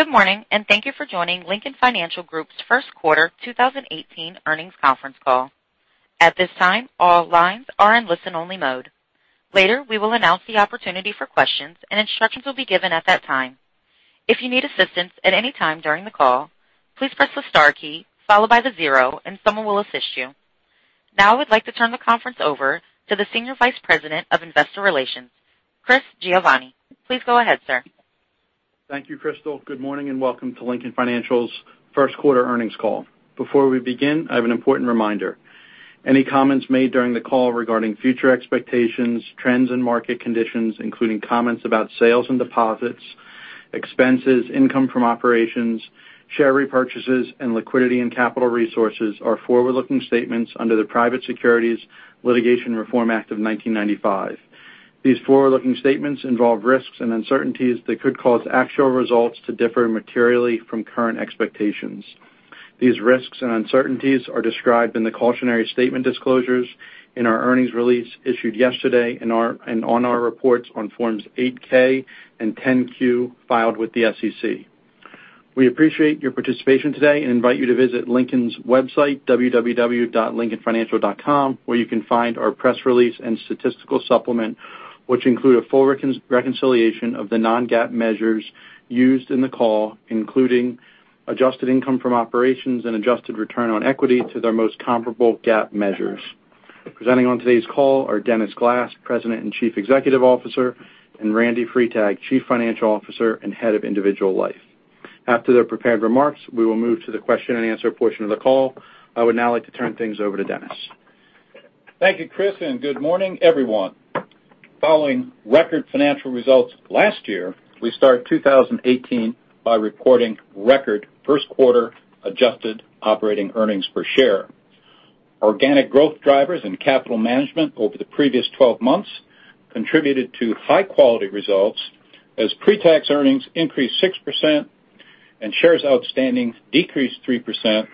Good morning, thank you for joining Lincoln Financial Group's first quarter 2018 earnings conference call. At this time, all lines are in listen-only mode. Later, we will announce the opportunity for questions, and instructions will be given at that time. If you need assistance at any time during the call, please press the star key followed by the zero and someone will assist you. I would like to turn the conference over to the Senior Vice President of Investor Relations, Christopher Giovanni. Please go ahead, sir. Thank you, Crystal. Good morning, welcome to Lincoln Financial's first quarter earnings call. Before we begin, I have an important reminder. Any comments made during the call regarding future expectations, trends, and market conditions, including comments about sales and deposits, expenses, income from operations, share repurchases, and liquidity and capital resources, are forward-looking statements under the Private Securities Litigation Reform Act of 1995. These forward-looking statements involve risks and uncertainties that could cause actual results to differ materially from current expectations. These risks and uncertainties are described in the cautionary statement disclosures in our earnings release issued yesterday and on our reports on Forms 8-K and 10-Q filed with the SEC. We appreciate your participation today and invite you to visit Lincoln's website, www.lincolnfinancial.com, where you can find our press release and statistical supplement, which include a full reconciliation of the non-GAAP measures used in the call, including adjusted income from operations and adjusted return on equity to their most comparable GAAP measures. Presenting on today's call are Dennis Glass, President and Chief Executive Officer, and Randy Freitag, Chief Financial Officer and Head of Individual Life. After their prepared remarks, we will move to the question and answer portion of the call. I would like to turn things over to Dennis. Thank you, Chris, good morning, everyone. Following record financial results last year, we start 2018 by reporting record first quarter adjusted operating earnings per share. Organic growth drivers and capital management over the previous 12 months contributed to high-quality results as pre-tax earnings increased 6% and shares outstanding decreased 3%.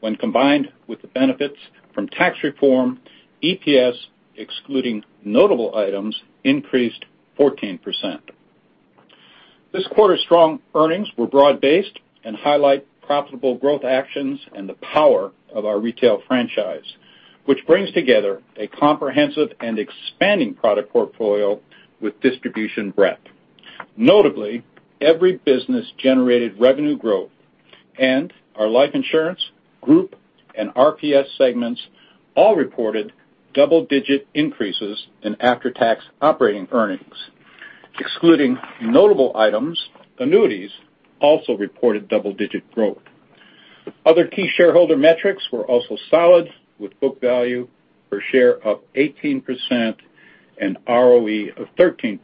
When combined with the benefits from tax reform, EPS, excluding notable items, increased 14%. This quarter's strong earnings were broad-based and highlight profitable growth actions and the power of our retail franchise, which brings together a comprehensive and expanding product portfolio with distribution breadth. Notably, every business generated revenue growth and our life insurance, group, and RPS segments all reported double-digit increases in after-tax operating earnings. Excluding notable items, annuities also reported double-digit growth. Other key shareholder metrics were also solid, with book value per share up 18% and ROE of 13%.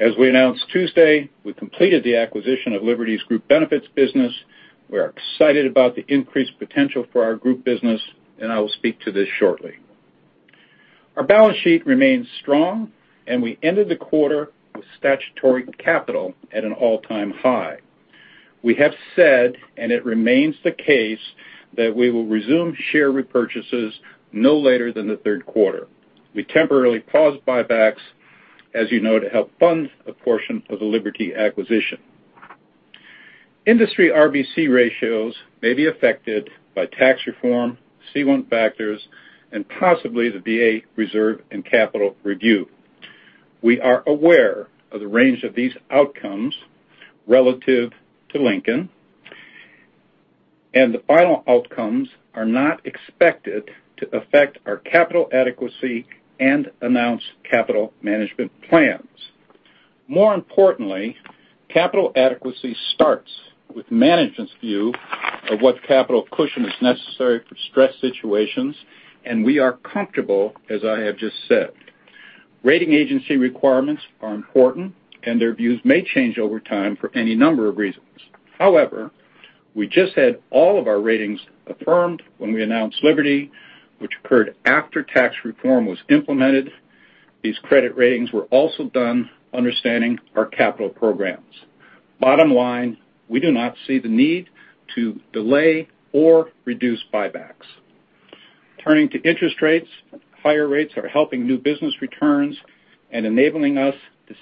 As we announced Tuesday, we completed the acquisition of Liberty's Group Benefits business. We are excited about the increased potential for our group business, and I will speak to this shortly. Our balance sheet remains strong, and we ended the quarter with statutory capital at an all-time high. We have said, and it remains the case that we will resume share repurchases no later than the third quarter. We temporarily paused buybacks, as you know, to help fund a portion of the Liberty acquisition. Industry RBC ratios may be affected by tax reform, C1 factors, and possibly the B8 reserve and capital review. We are aware of the range of these outcomes relative to Lincoln, and the final outcomes are not expected to affect our capital adequacy and announced capital management plans. More importantly, capital adequacy starts with management's view of what capital cushion is necessary for stress situations, and we are comfortable, as I have just said. Rating agency requirements are important, and their views may change over time for any number of reasons. However, we just had all of our ratings affirmed when we announced Liberty, which occurred after tax reform was implemented. These credit ratings were also done understanding our capital programs. Bottom line, we do not see the need to delay or reduce buybacks. Turning to interest rates, higher rates are helping new business returns and enabling us to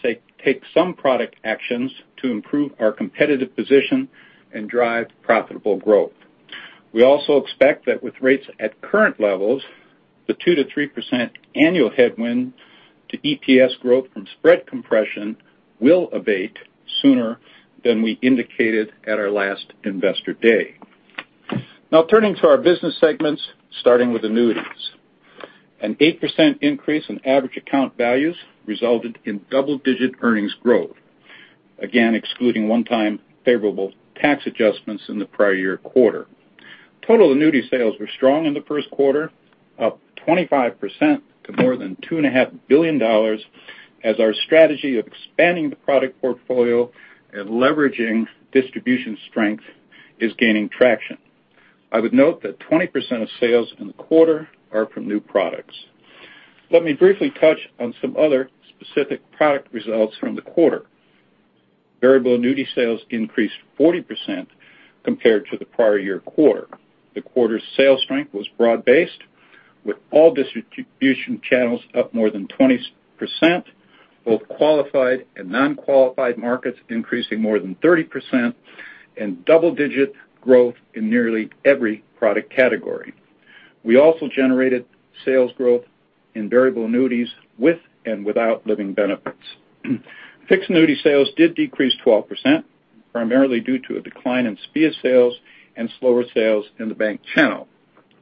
take some product actions to improve our competitive position and drive profitable growth. We also expect that with rates at current levels, the 2%-3% annual headwind to EPS growth from spread compression will abate sooner than we indicated at our last Investor Day. Now turning to our business segments, starting with annuities. An 8% increase in average account values resulted in double-digit earnings growth, again, excluding one-time favorable tax adjustments in the prior year quarter. Total annuity sales were strong in the first quarter, up 25% to more than $2.5 billion, as our strategy of expanding the product portfolio and leveraging distribution strength is gaining traction. I would note that 20% of sales in the quarter are from new products. Let me briefly touch on some other specific product results from the quarter. Variable annuity sales increased 40% compared to the prior year quarter. The quarter's sales strength was broad-based. With all distribution channels up more than 20%, both qualified and non-qualified markets increasing more than 30%, and double-digit growth in nearly every product category. We also generated sales growth in variable annuities with and without living benefits. Fixed annuity sales did decrease 12%, primarily due to a decline in SPIA sales and slower sales in the bank channel.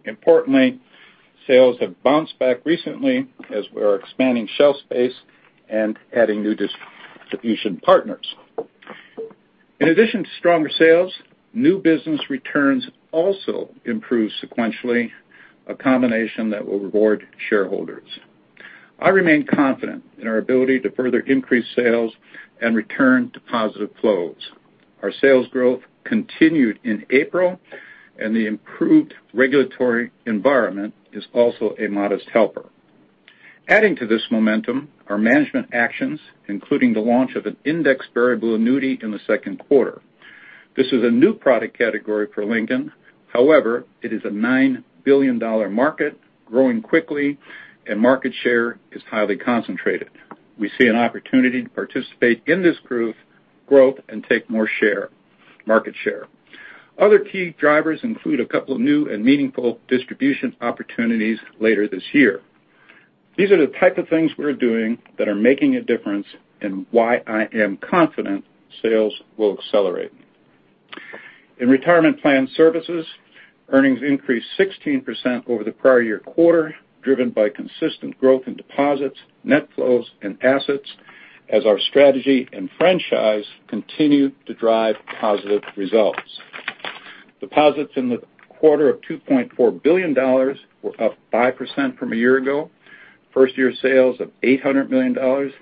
Importantly, sales have bounced back recently as we are expanding shelf space and adding new distribution partners. In addition to stronger sales, new business returns also improved sequentially, a combination that will reward shareholders. I remain confident in our ability to further increase sales and return to positive flows. Our sales growth continued in April, and the improved regulatory environment is also a modest helper. Adding to this momentum are management actions, including the launch of an index variable annuity in the second quarter. This is a new product category for Lincoln. However, it is a $9 billion market growing quickly, and market share is highly concentrated. We see an opportunity to participate in this growth and take more market share. Other key drivers include a couple of new and meaningful distribution opportunities later this year. These are the type of things we're doing that are making a difference and why I am confident sales will accelerate. In retirement plan services, earnings increased 16% over the prior year quarter, driven by consistent growth in deposits, net flows, and assets as our strategy and franchise continue to drive positive results. Deposits in the quarter of $2.4 billion were up 5% from a year ago. First-year sales of $800 million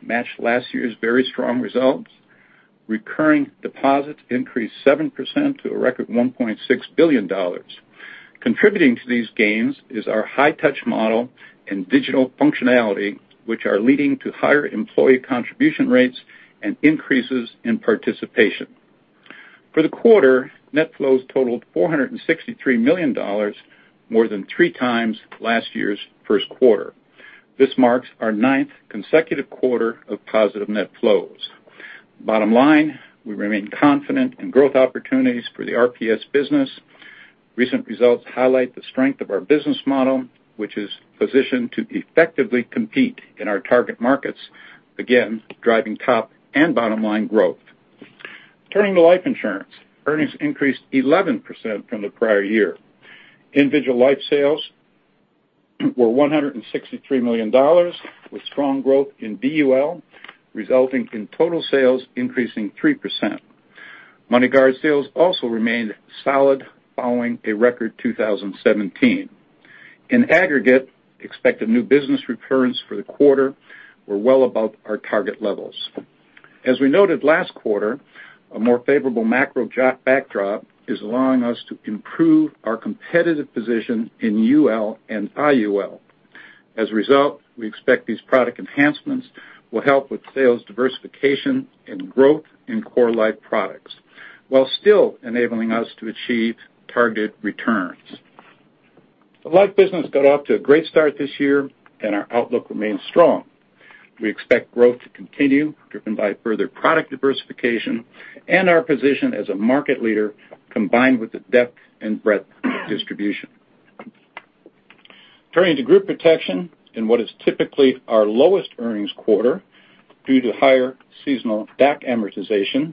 matched last year's very strong results. Recurring deposits increased 7% to a record $1.6 billion. Contributing to these gains is our high touch model and digital functionality, which are leading to higher employee contribution rates and increases in participation. For the quarter, net flows totaled $463 million, more than three times last year's first quarter. This marks our ninth consecutive quarter of positive net flows. Bottom line, we remain confident in growth opportunities for the RPS business. Recent results highlight the strength of our business model, which is positioned to effectively compete in our target markets, again, driving top and bottom line growth. Turning to life insurance. Earnings increased 11% from the prior year. Individual life sales were $163 million with strong growth in VUL, resulting in total sales increasing 3%. MoneyGuard sales also remained solid following a record 2017. In aggregate, expected new business returns for the quarter were well above our target levels. As we noted last quarter, a more favorable macro backdrop is allowing us to improve our competitive position in UL and IUL. As a result, we expect these product enhancements will help with sales diversification and growth in core life products while still enabling us to achieve target returns. The life business got off to a great start this year. Our outlook remains strong. We expect growth to continue, driven by further product diversification and our position as a market leader, combined with the depth and breadth of distribution. Turning to group protection in what is typically our lowest earnings quarter due to higher seasonal DAC amortization,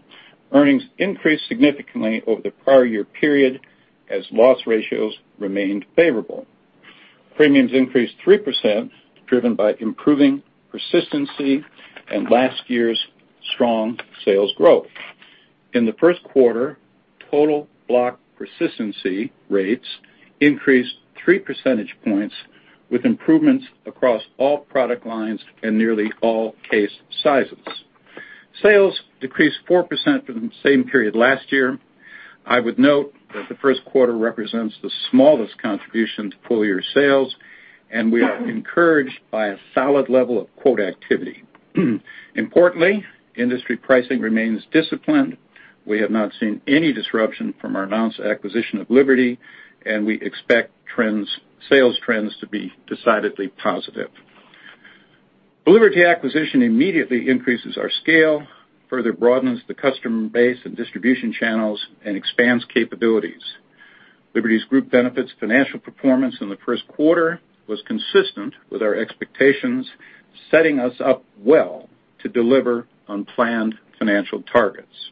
earnings increased significantly over the prior year period as loss ratios remained favorable. Premiums increased 3%, driven by improving persistency and last year's strong sales growth. In the first quarter, total block persistency rates increased three percentage points, with improvements across all product lines and nearly all case sizes. Sales decreased 4% from the same period last year. I would note that the first quarter represents the smallest contribution to full year sales. We are encouraged by a solid level of quote activity. Importantly, industry pricing remains disciplined. We have not seen any disruption from our announced acquisition of Liberty. We expect sales trends to be decidedly positive. The Liberty acquisition immediately increases our scale, further broadens the customer base and distribution channels, and expands capabilities. Liberty's group benefits financial performance in the first quarter was consistent with our expectations, setting us up well to deliver on planned financial targets.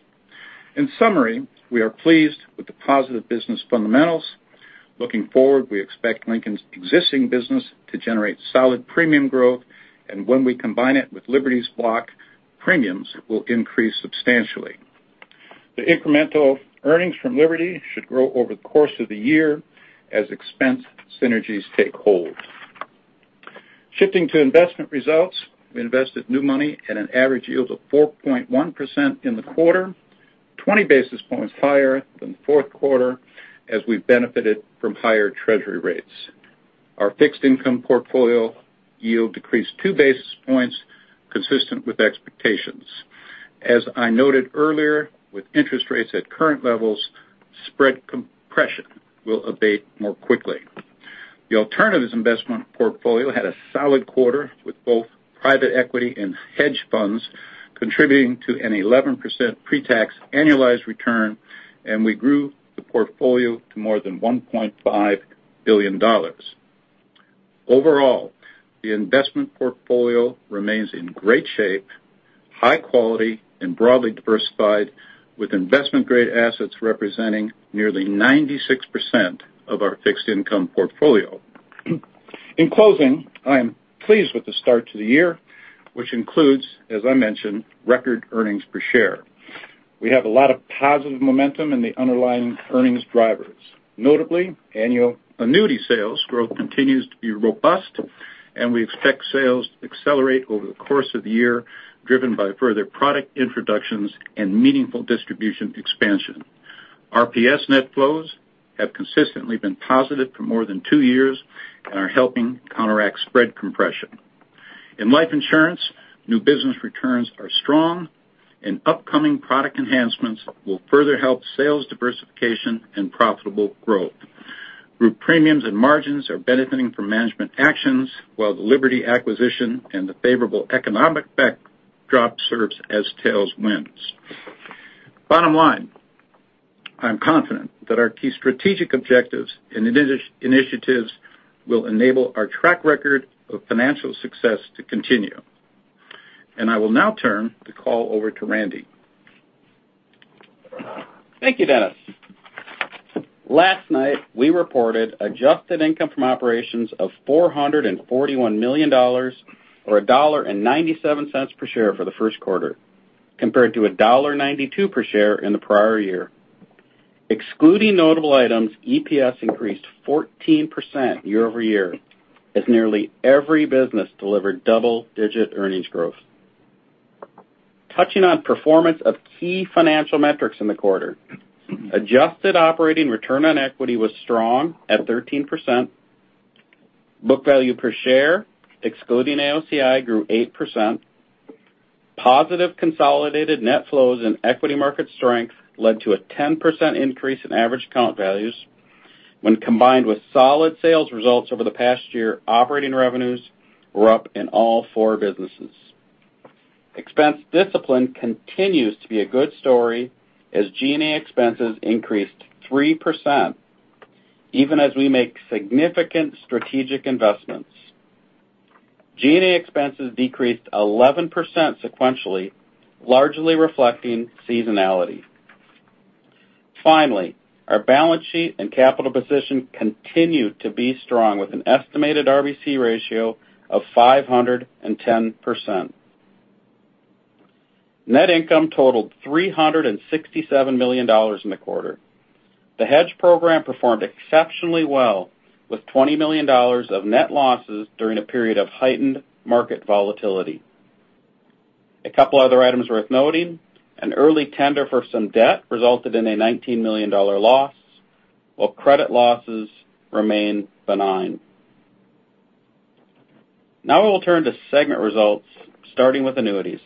In summary, we are pleased with the positive business fundamentals. Looking forward, we expect Lincoln's existing business to generate solid premium growth. When we combine it with Liberty's block, premiums will increase substantially. The incremental earnings from Liberty should grow over the course of the year as expense synergies take hold. Shifting to investment results, we invested new money at an average yield of 4.1% in the quarter, 20 basis points higher than the fourth quarter, as we benefited from higher treasury rates. Our fixed income portfolio yield decreased two basis points consistent with expectations. As I noted earlier, with interest rates at current levels, spread compression will abate more quickly. The alternatives investment portfolio had a solid quarter, with both private equity and hedge funds contributing to an 11% pre-tax annualized return, and we grew the portfolio to more than $1.5 billion. Overall, the investment portfolio remains in great shape, high quality, and broadly diversified, with investment-grade assets representing nearly 96% of our fixed income portfolio. In closing, I am pleased with the start to the year, which includes, as I mentioned, record earnings per share. We have a lot of positive momentum in the underlying earnings drivers. Notably, annual annuity sales growth continues to be robust, and we expect sales to accelerate over the course of the year, driven by further product introductions and meaningful distribution expansion. RPS net flows have consistently been positive for more than two years and are helping counteract spread compression. In life insurance, new business returns are strong, and upcoming product enhancements will further help sales diversification and profitable growth. Group premiums and margins are benefiting from management actions, while the Liberty acquisition and the favorable economic backdrop serves as tailwinds. Bottom line, I am confident that our key strategic objectives and initiatives will enable our track record of financial success to continue. I will now turn the call over to Randy. Thank you, Dennis. Last night, we reported adjusted income from operations of $441 million, or $1.97 per share for the first quarter, compared to $1.92 per share in the prior year. Excluding notable items, EPS increased 14% year-over-year, as nearly every business delivered double-digit earnings growth. Touching on performance of key financial metrics in the quarter, adjusted operating return on equity was strong at 13%. Book value per share, excluding AOCI, grew 8%. Positive consolidated net flows and equity market strength led to a 10% increase in average account values. When combined with solid sales results over the past year, operating revenues were up in all four businesses. Expense discipline continues to be a good story as G&A expenses increased 3%, even as we make significant strategic investments. G&A expenses decreased 11% sequentially, largely reflecting seasonality. Finally, our balance sheet and capital position continued to be strong, with an estimated RBC ratio of 510%. Net income totaled $367 million in the quarter. The hedge program performed exceptionally well, with $20 million of net losses during a period of heightened market volatility. A couple other items worth noting, an early tender for some debt resulted in a $19 million loss, while credit losses remain benign. We will turn to segment results, starting with annuities.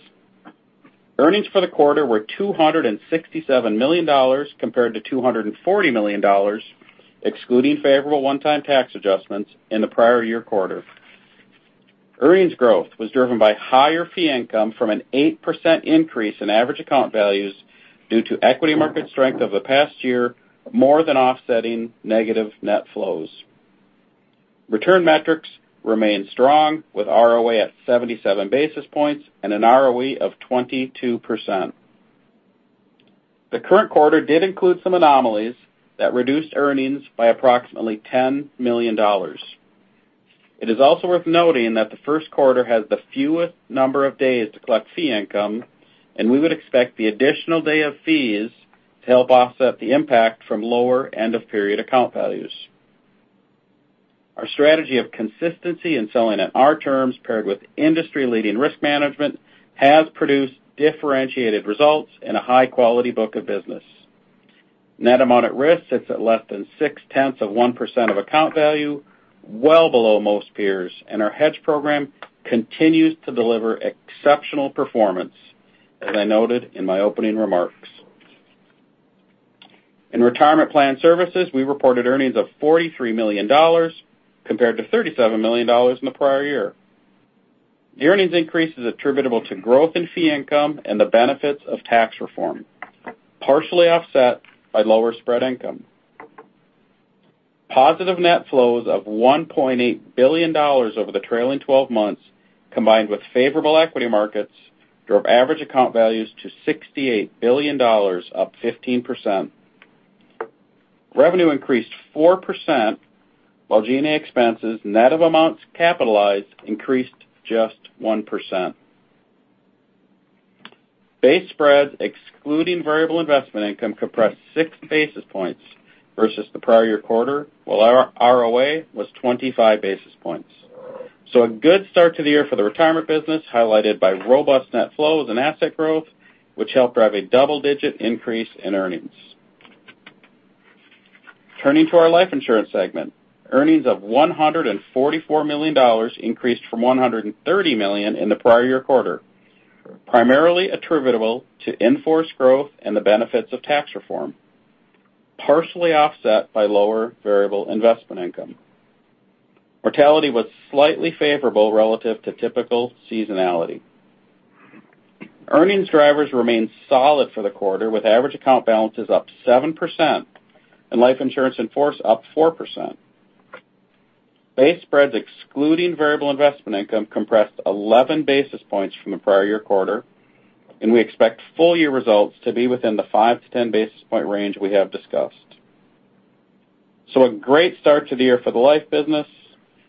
Earnings for the quarter were $267 million, compared to $240 million, excluding favorable one-time tax adjustments in the prior year quarter. Earnings growth was driven by higher fee income from an 8% increase in average account values due to equity market strength over the past year, more than offsetting negative net flows. Return metrics remain strong, with ROA at 77 basis points and an ROE of 22%. The current quarter did include some anomalies that reduced earnings by approximately $10 million. It is also worth noting that the first quarter has the fewest number of days to collect fee income, and we would expect the additional day of fees to help offset the impact from lower end-of-period account values. Our strategy of consistency and selling on our terms, paired with industry-leading risk management, has produced differentiated results in a high-quality book of business. Net amount at risk sits at less than 0.6% of account value, well below most peers, and our hedge program continues to deliver exceptional performance, as I noted in my opening remarks. In Retirement Plan Services, we reported earnings of $43 million, compared to $37 million in the prior year. The earnings increase is attributable to growth in fee income and the benefits of tax reform, partially offset by lower spread income. Positive net flows of $1.8 billion over the trailing 12 months, combined with favorable equity markets, drove average account values to $68 billion, up 15%. Revenue increased 4%, while G&A expenses net of amounts capitalized increased just 1%. Base spreads excluding variable investment income compressed 6 basis points versus the prior year quarter, while our ROA was 25 basis points. A good start to the year for the Retirement business, highlighted by robust net flows and asset growth, which helped drive a double-digit increase in earnings. Turning to our life insurance segment. Earnings of $144 million increased from $130 million in the prior year quarter, primarily attributable to in-force growth and the benefits of tax reform, partially offset by lower variable investment income. Mortality was slightly favorable relative to typical seasonality. Earnings drivers remained solid for the quarter, with average account balances up 7% and life insurance in force up 4%. Base spreads excluding variable investment income compressed 11 basis points from the prior year quarter, and we expect full year results to be within the 5-10 basis point range we have discussed. A great start to the year for the life business.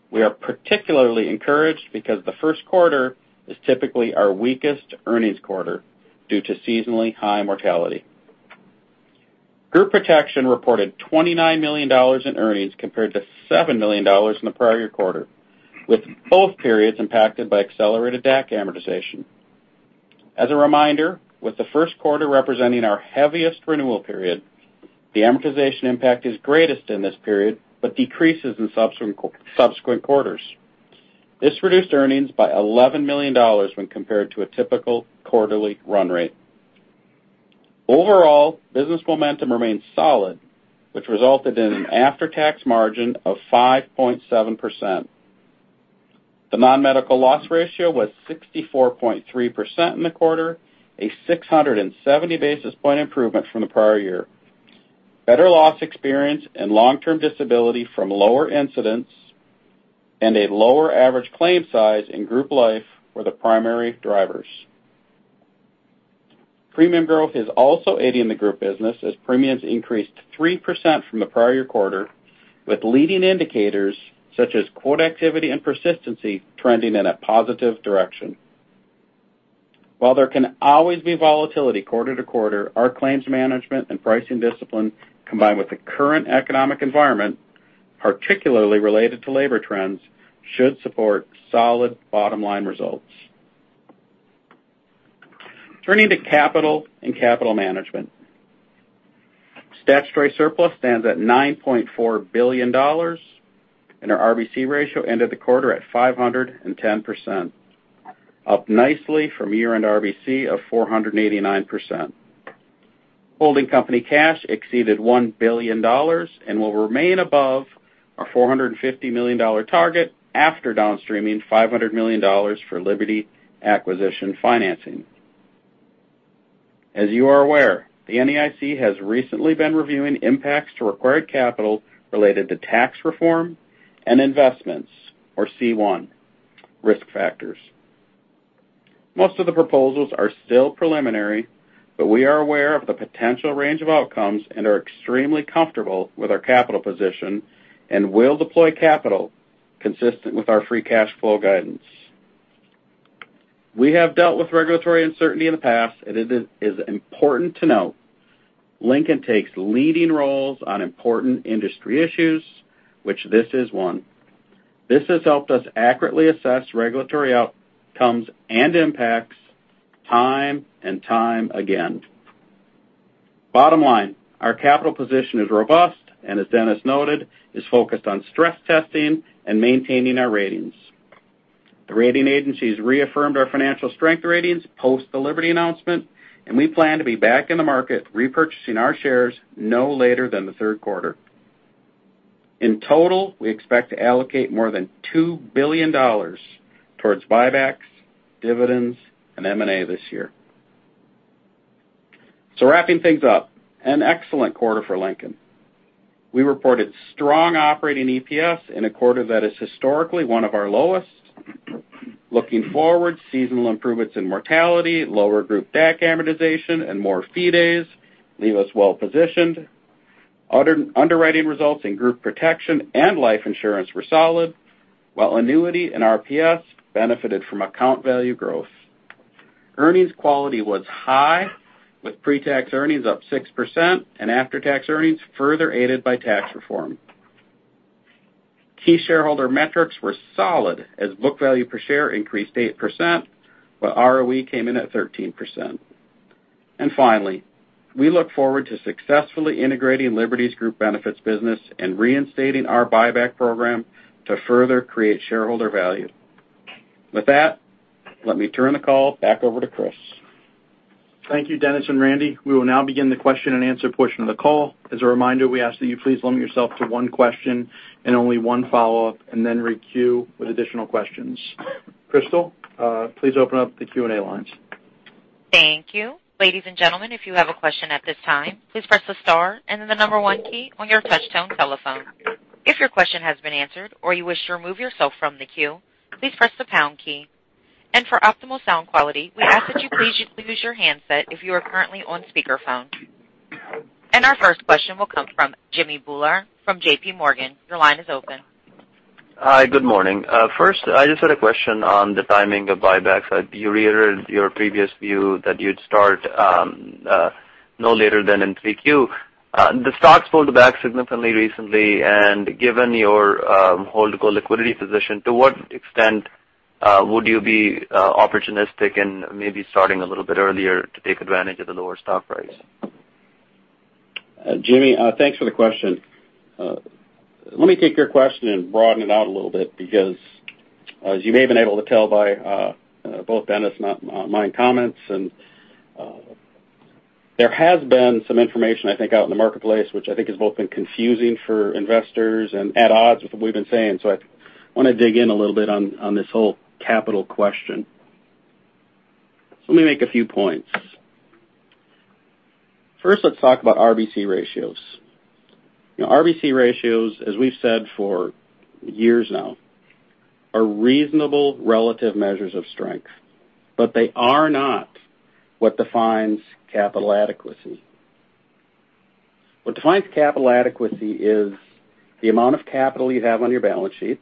We are particularly encouraged because the first quarter is typically our weakest earnings quarter due to seasonally high mortality. Group Protection reported $29 million in earnings compared to $7 million in the prior quarter, with both periods impacted by accelerated DAC amortization. As a reminder, with the first quarter representing our heaviest renewal period, the amortization impact is greatest in this period but decreases in subsequent quarters. This reduced earnings by $11 million when compared to a typical quarterly run rate. Overall, business momentum remains solid, which resulted in an after-tax margin of 5.7%. The non-medical loss ratio was 64.3% in the quarter, a 670 basis point improvement from the prior year. Better loss experience and long-term disability from lower incidents and a lower average claim size in group life were the primary drivers. Premium growth is also aiding the group business as premiums increased 3% from the prior year quarter, with leading indicators such as quote activity and persistency trending in a positive direction. While there can always be volatility quarter to quarter, our claims management and pricing discipline, combined with the current economic environment, particularly related to labor trends, should support solid bottom-line results. Turning to capital and capital management. Statutory surplus stands at $9.4 billion, and our RBC ratio ended the quarter at 510%, up nicely from year-end RBC of 489%. Holding company cash exceeded $1 billion and will remain above our $450 million target after downstreaming $500 million for Liberty acquisition financing. As you are aware, the NAIC has recently been reviewing impacts to required capital related to tax reform and investments or C1 risk factors. Most of the proposals are still preliminary, but we are aware of the potential range of outcomes and are extremely comfortable with our capital position and will deploy capital consistent with our free cash flow guidance. We have dealt with regulatory uncertainty in the past, and it is important to note Lincoln takes leading roles on important industry issues, which this is one. This has helped us accurately assess regulatory outcomes and impacts time and time again. Bottom line, our capital position is robust, and as Dennis noted, is focused on stress testing and maintaining our ratings. The rating agencies reaffirmed our financial strength ratings post the Liberty announcement, and we plan to be back in the market repurchasing our shares no later than the third quarter. In total, we expect to allocate more than $2 billion towards buybacks, dividends, and M&A this year. Wrapping things up, an excellent quarter for Lincoln. We reported strong operating EPS in a quarter that is historically one of our lowest. Looking forward, seasonal improvements in mortality, lower group DAC amortization, and more fee days leave us well-positioned. Underwriting results in group protection and life insurance were solid, while annuity and RPS benefited from account value growth. Earnings quality was high, with pre-tax earnings up 6% and after-tax earnings further aided by tax reform. Key shareholder metrics were solid as book value per share increased 8%, while ROE came in at 13%. Finally, we look forward to successfully integrating Liberty's Group Benefits business and reinstating our buyback program to further create shareholder value. With that, let me turn the call back over to Chris. Thank you, Dennis and Randy. We will now begin the question and answer portion of the call. As a reminder, we ask that you please limit yourself to one question and only one follow-up, and then re-queue with additional questions. Crystal, please open up the Q&A lines. Thank you. Ladies and gentlemen, if you have a question at this time, please press the star and then the number 1 key on your touch-tone telephone. If your question has been answered or you wish to remove yourself from the queue, please press the pound key. For optimal sound quality, we ask that you please use your handset if you are currently on speakerphone. Our first question will come from Jamminder Bhullar from JP Morgan. Your line is open. Hi. Good morning. First, I just had a question on the timing of buybacks. You reiterated your previous view that you'd start no later than in 3Q. The stocks pulled back significantly recently, and given your holdco liquidity position, to what extent would you be opportunistic in maybe starting a little bit earlier to take advantage of the lower stock price? Jimmy, thanks for the question. Let me take your question and broaden it out a little bit because as you may have been able to tell by both Dennis and my comments, there has been some information, I think, out in the marketplace, which I think has both been confusing for investors and at odds with what we've been saying. I want to dig in a little bit on this whole capital question. Let me make a few points. First, let's talk about RBC ratios. RBC ratios, as we've said for years now, are reasonable relative measures of strength, but they are not what defines capital adequacy. What defines capital adequacy is the amount of capital you have on your balance sheet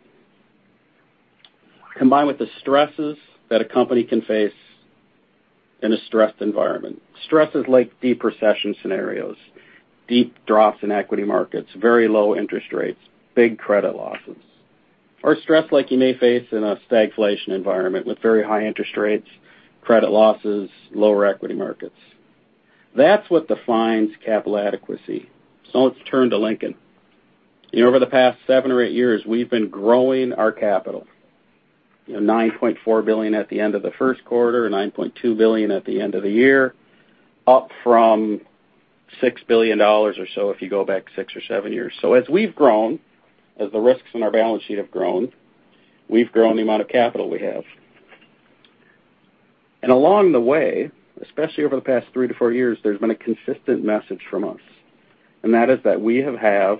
combined with the stresses that a company can face in a stressed environment. Stresses like deep recession scenarios, deep drops in equity markets, very low interest rates, big credit losses, or stress like you may face in a stagflation environment with very high interest rates, credit losses, lower equity markets. That's what defines capital adequacy. Let's turn to Lincoln. Over the past seven or eight years, we've been growing our capital. $9.4 billion at the end of the first quarter, $9.2 billion at the end of the year, up from $6 billion or so if you go back six or seven years. As we've grown, as the risks on our balance sheet have grown, we've grown the amount of capital we have. Along the way, especially over the past three to four years, there's been a consistent message from us, and that is that we have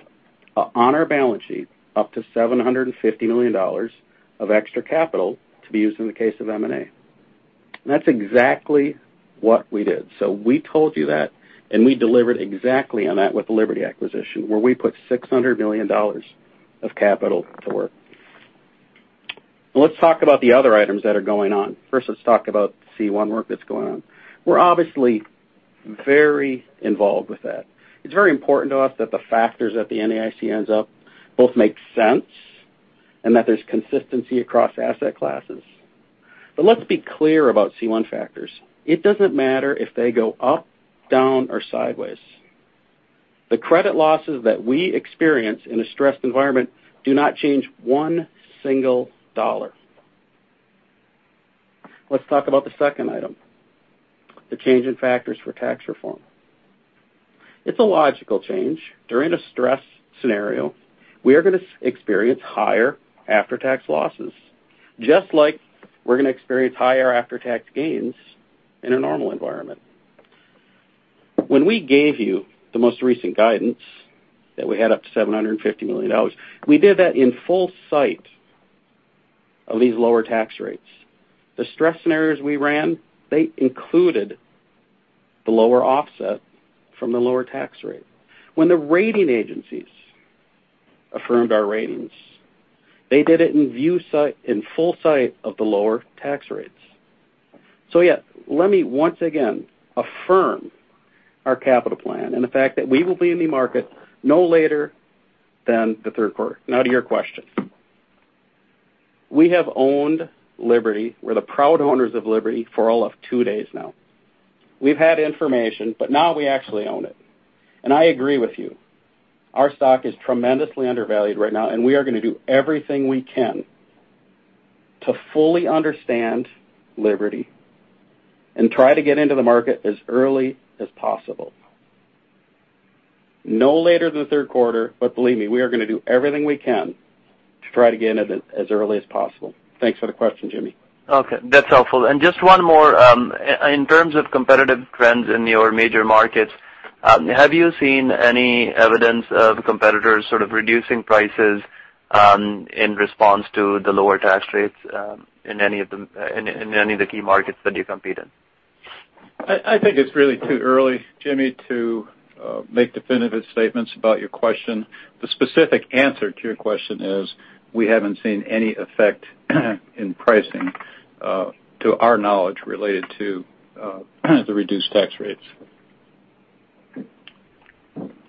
on our balance sheet up to $750 million of extra capital to be used in the case of M&A. That's exactly what we did. We told you that, and we delivered exactly on that with the Liberty acquisition, where we put $600 million of capital to work. Let's talk about the other items that are going on. First, let's talk about C1 work that's going on. We're obviously very involved with that. It's very important to us that the factors that the NAIC ends up both make sense and that there's consistency across asset classes. Let's be clear about C1 factors. It doesn't matter if they go up, down, or sideways. The credit losses that we experience in a stressed environment do not change one single dollar. Let's talk about the second item, the change in factors for tax reform. It's a logical change. During a stress scenario, we are going to experience higher after-tax losses, just like we're going to experience higher after-tax gains in a normal environment. When we gave you the most recent guidance that we had up to $750 million, we did that in full sight of these lower tax rates. The stress scenarios we ran, they included the lower offset from the lower tax rate. When the rating agencies affirmed our ratings, they did it in full sight of the lower tax rates. Yeah, let me once again affirm our capital plan and the fact that we will be in the market no later than the third quarter. Now to your question. We have owned Liberty. We're the proud owners of Liberty for all of two days now. We've had information, but now we actually own it. I agree with you. Our stock is tremendously undervalued right now, and we are going to do everything we can to fully understand Liberty and try to get into the market as early as possible. No later than the third quarter, believe me, we are going to do everything we can to try to get in as early as possible. Thanks for the question, Jimmy. Okay. That's helpful. Just one more. In terms of competitive trends in your major markets, have you seen any evidence of competitors sort of reducing prices in response to the lower tax rates in any of the key markets that you compete in? I think it's really too early, Jimmy, to make definitive statements about your question. The specific answer to your question is we haven't seen any effect in pricing to our knowledge related to the reduced tax rates.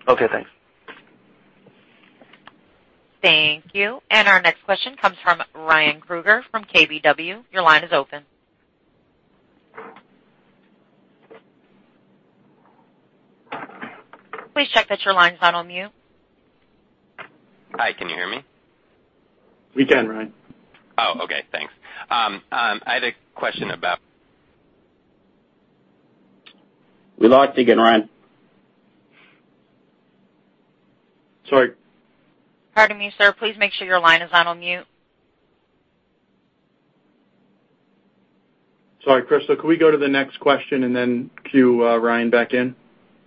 Okay, thanks. Thank you. Our next question comes from Ryan Krueger from KBW. Your line is open. Please check that your line's not on mute. Hi, can you hear me? We can, Ryan. Oh, okay, thanks. I had a question about. We lost you again, Ryan. Sorry. Pardon me, sir. Please make sure your line is not on mute. Sorry, Crystal. Could we go to the next question and then cue Ryan back in?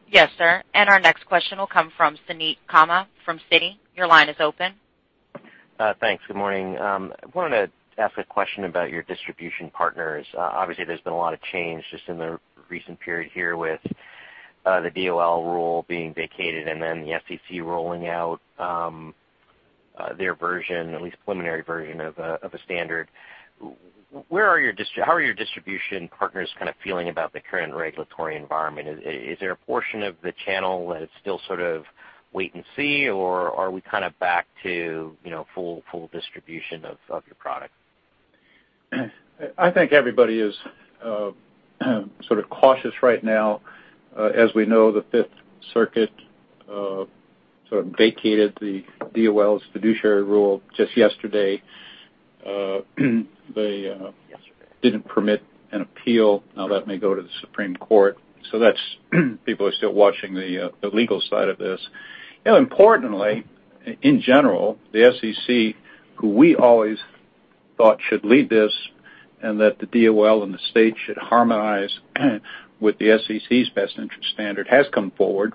Yes, sir. Our next question will come from Suneet Kamath from Citi. Your line is open. Thanks. Good morning. I wanted to ask a question about your distribution partners. Obviously, there's been a lot of change just in the recent period here with the DOL rule being vacated and then the SEC rolling out their version, at least preliminary version of a standard. How are your distribution partners kind of feeling about the current regulatory environment? Is there a portion of the channel that is still sort of wait and see, or are we kind to back to full distribution of your product? I think everybody is sort of cautious right now. As we know, the Fifth Circuit sort of vacated the DOL's fiduciary rule just yesterday. They didn't permit an appeal. That may go to the Supreme Court. People are still watching the legal side of this. Importantly, in general, the SEC, who we always thought should lead this, and that the DOL and the state should harmonize with the SEC's best interest standard, has come forward.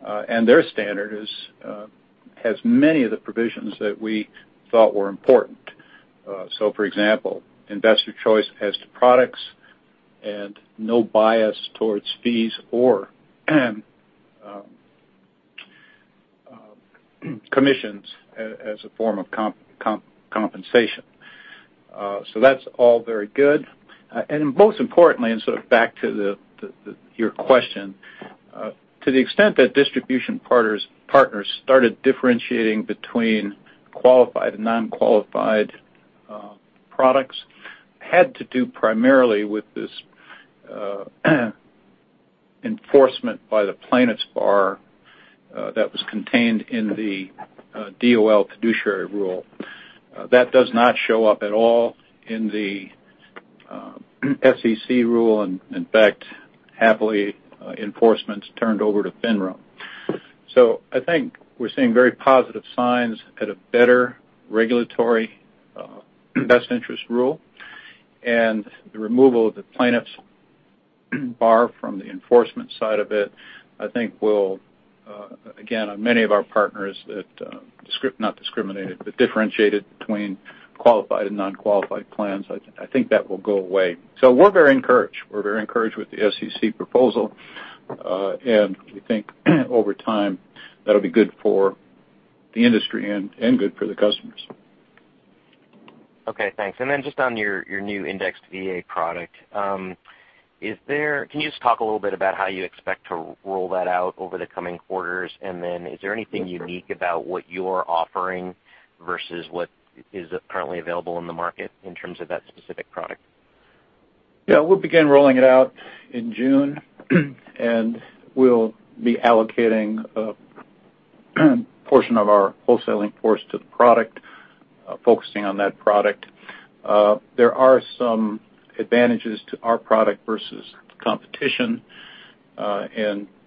Their standard has many of the provisions that we thought were important. For example, investor choice as to products and no bias towards fees or commissions as a form of compensation. That's all very good. Most importantly, and sort of back to your question, to the extent that distribution partners started differentiating between qualified and non-qualified products, had to do primarily with this enforcement by the plaintiffs bar that was contained in the DOL fiduciary rule. That does not show up at all in the SEC rule, and in fact, happily, enforcement's turned over to FINRA. I think we're seeing very positive signs at a better regulatory best interest rule, and the removal of the plaintiffs bar from the enforcement side of it, I think will, again, on many of our partners that not discriminated, but differentiated between qualified and non-qualified plans, I think that will go away. We're very encouraged. We're very encouraged with the SEC proposal. We think over time, that'll be good for the industry and good for the customers. Okay, thanks. Then just on your new indexed VA product. Can you just talk a little bit about how you expect to roll that out over the coming quarters? Then, is there anything unique about what you're offering versus what is currently available in the market in terms of that specific product? Yeah. We'll begin rolling it out in June. We'll be allocating a portion of our wholesaling force to the product, focusing on that product. There are some advantages to our product versus competition.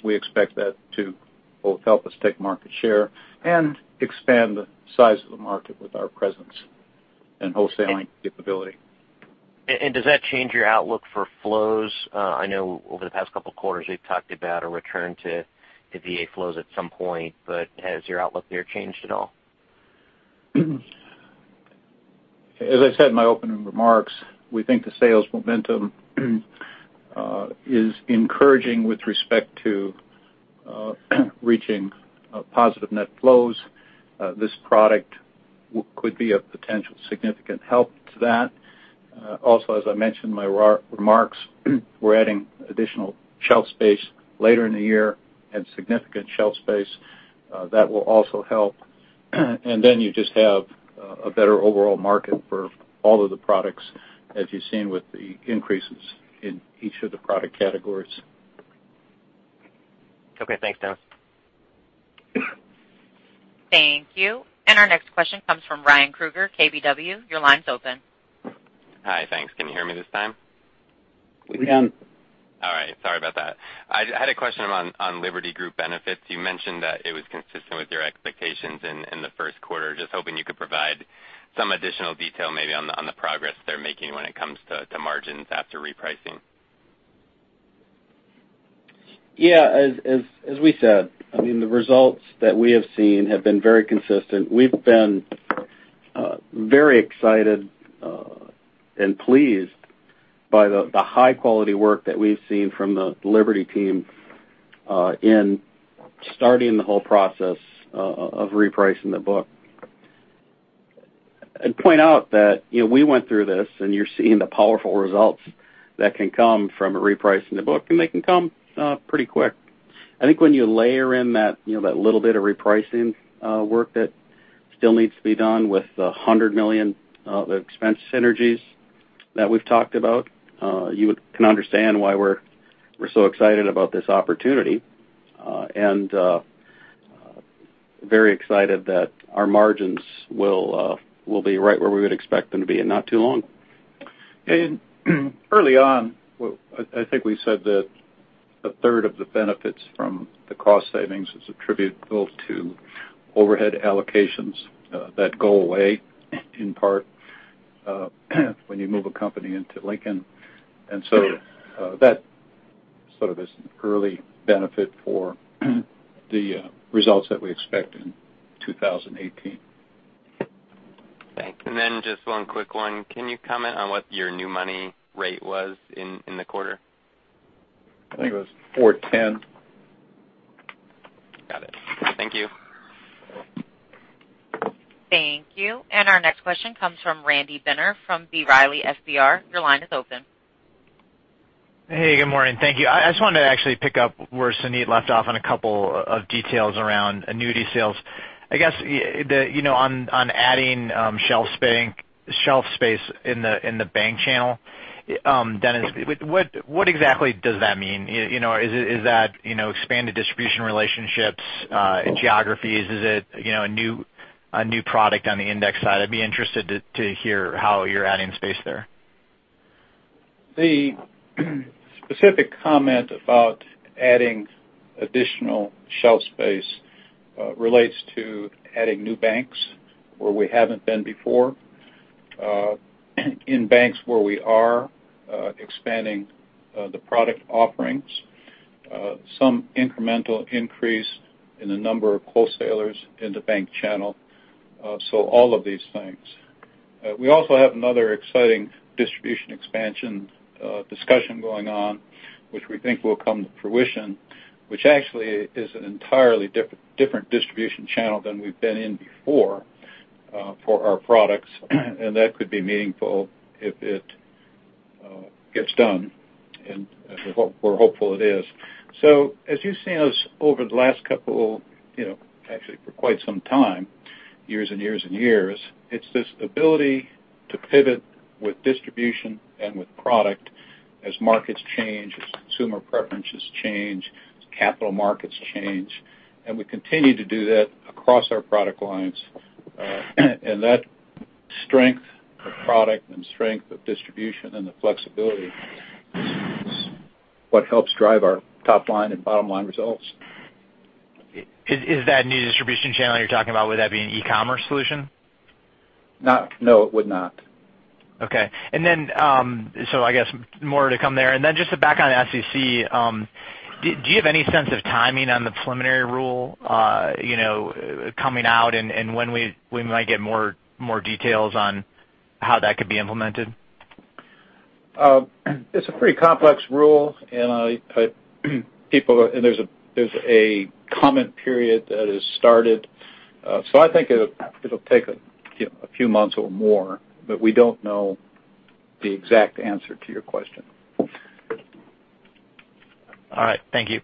We expect that to both help us take market share and expand the size of the market with our presence and wholesaling capability. Does that change your outlook for flows? I know over the past couple of quarters, we've talked about a return to VA flows at some point, but has your outlook there changed at all? As I said in my opening remarks, we think the sales momentum is encouraging with respect to reaching positive net flows. This product could be a potential significant help to that. As I mentioned in my remarks, we're adding additional shelf space later in the year and significant shelf space. That will also help. You just have a better overall market for all of the products, as you've seen with the increases in each of the product categories. Okay. Thanks, Dennis. Thank you. Our next question comes from Ryan Krueger, KBW. Your line's open. Hi. Thanks. Can you hear me this time? We can. All right. Sorry about that. I had a question on Liberty Group benefits. You mentioned that it was consistent with your expectations in the first quarter. Just hoping you could provide some additional detail maybe on the progress they're making when it comes to margins after repricing. Yeah. As we said, the results that we have seen have been very consistent. We've been very excited and pleased by the high-quality work that we've seen from the Liberty team in starting the whole process of repricing the book. I'd point out that we went through this, and you're seeing the powerful results that can come from repricing the book, and they can come pretty quick. I think when you layer in that little bit of repricing work that still needs to be done with the $100 million of expense synergies that we've talked about, you can understand why we're so excited about this opportunity, and very excited that our margins will be right where we would expect them to be in not too long. Early on, I think we said that a third of the benefits from the cost savings is attributable to overhead allocations that go away in part when you move a company into Lincoln. That sort of is an early benefit for the results that we expect in 2018. Thanks. Just one quick one. Can you comment on what your new money rate was in the quarter? I think it was 410. Got it. Thank you. Thank you. Our next question comes from Randy Binner from B. Riley FBR. Your line is open. Good morning. Thank you. I just wanted to actually pick up where Suneet Kamath left off on a couple of details around annuity sales. I guess, on adding shelf space in the bank channel, Dennis Glass, what exactly does that mean? Is it expanded distribution relationships, geographies? Is it a new product on the index side? I'd be interested to hear how you're adding space there. The specific comment about adding additional shelf space relates to adding new banks where we haven't been before. In banks where we are expanding the product offerings, some incremental increase in the number of wholesalers in the bank channel. All of these things. We also have another exciting distribution expansion discussion going on, which we think will come to fruition, which actually is an entirely different distribution channel than we've been in before for our products, and that could be meaningful if it gets done. We're hopeful it is. As you've seen us over the last couple, actually for quite some time, years and years and years, it's this ability to pivot with distribution and with product as markets change, as consumer preferences change, as capital markets change. We continue to do that across our product lines. That strength of product and strength of distribution and the flexibility is what helps drive our top line and bottom line results. Is that new distribution channel you're talking about, would that be an e-commerce solution? No, it would not. Okay. I guess more to come there. Then just to back on SEC, do you have any sense of timing on the preliminary rule coming out and when we might get more details on how that could be implemented? It's a pretty complex rule, and there's a comment period that has started. I think it'll take a few months or more, but we don't know the exact answer to your question. All right. Thank you.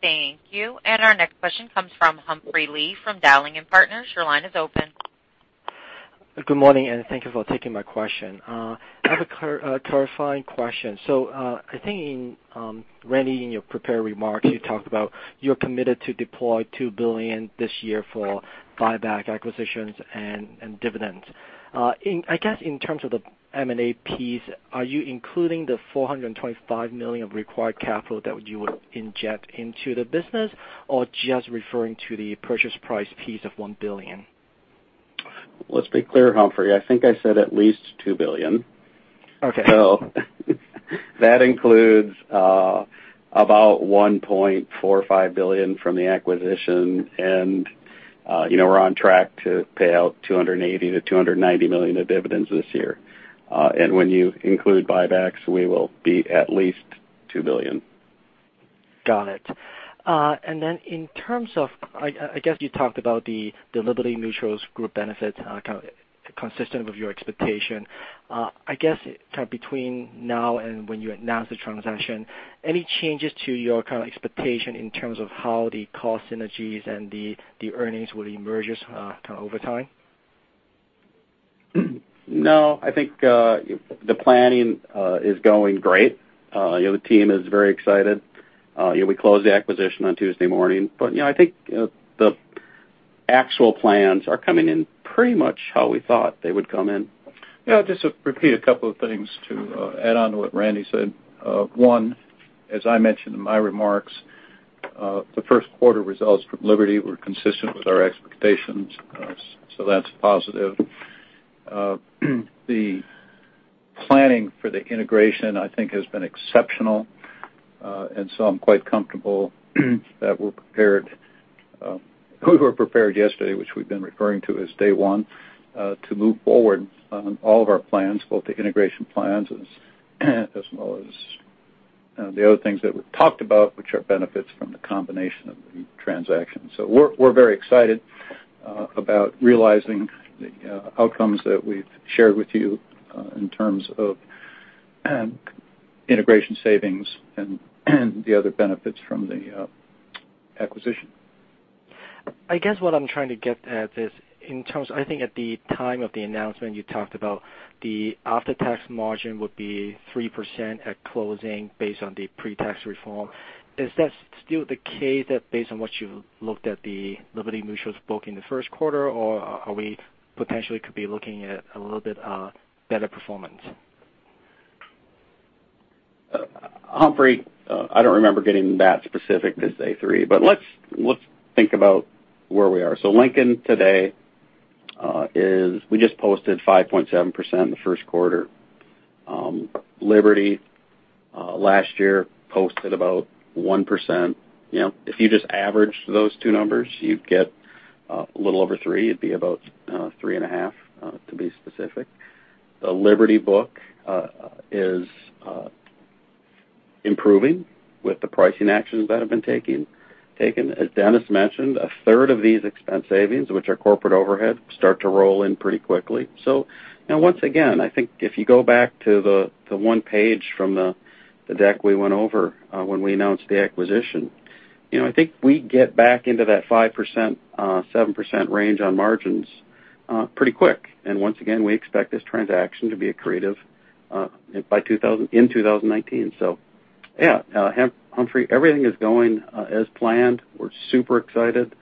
Thank you. Our next question comes from Humphrey Lee from Dowling & Partners. Your line is open. Good morning, and thank you for taking my question. I have a clarifying question. I think, Randy, in your prepared remarks, you talked about you're committed to deploy $2 billion this year for buybacks, acquisitions and dividends. I guess in terms of the M&A piece, are you including the $425 million of required capital that you would inject into the business or just referring to the purchase price piece of $1 billion? Let's be clear, Humphrey. I think I said at least $2 billion. Okay. That includes about $1.45 billion from the acquisition, and we're on track to pay out $280 million-$290 million of dividends this year. When you include buybacks, we will be at least $2 billion. Got it. In terms of, I guess you talked about the Liberty Mutual's group benefits kind of consistent with your expectation. I guess kind of between now and when you announce the transaction, any changes to your kind of expectation in terms of how the cost synergies and the earnings will emerge kind of over time? No, I think the planning is going great. The team is very excited. We closed the acquisition on Tuesday morning. I think the actual plans are coming in pretty much how we thought they would come in. Yeah, just to repeat a couple of things to add on to what Randy said. One, as I mentioned in my remarks, the first quarter results from Liberty were consistent with our expectations, that's positive. The planning for the integration, I think, has been exceptional. I'm quite comfortable that we're prepared. We were prepared yesterday, which we've been referring to as day one, to move forward on all of our plans, both the integration plans as well as the other things that we've talked about, which are benefits from the combination of the transactions. We're very excited about realizing the outcomes that we've shared with you in terms of integration savings and the other benefits from the acquisition. I guess what I'm trying to get at is, I think at the time of the announcement, you talked about the after-tax margin would be 3% at closing based on the pre-tax reform. Is that still the case based on what you've looked at the Liberty Mutual's book in the first quarter, or are we potentially could be looking at a little bit better performance? Humphrey, I don't remember getting that specific this day three. Let's think about where we are. Lincoln today is we just posted 5.7% in the first quarter. Liberty last year posted about 1%. If you just average those two numbers, you'd get a little over three. It'd be about three and a half, to be specific. The Liberty book is improving with the pricing actions that have been taken. As Dennis mentioned, a third of these expense savings, which are corporate overhead, start to roll in pretty quickly. Once again, I think if you go back to the one page from the deck we went over when we announced the acquisition, I think we get back into that 5%-7% range on margins pretty quick. And once again, we expect this transaction to be accretive in 2019. Yeah, Humphrey, everything is going as planned. We're super excited.